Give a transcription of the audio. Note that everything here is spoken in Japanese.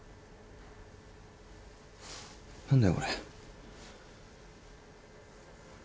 何だよこれ。